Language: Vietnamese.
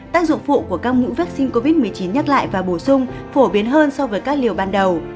tác dụng phụ của các nữ vaccine covid một mươi chín nhắc lại và bổ sung phổ biến hơn so với các liều ban đầu